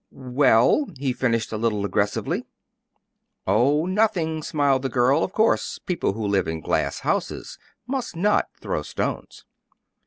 "Well?" he finished a little aggressively. "Oh, nothing," smiled the girl. "Of course people who live in glass houses must not throw stones."